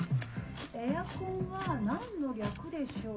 ・「エアコンは何の略でしょう？」